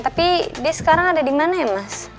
tapi dia sekarang ada dimana ya mas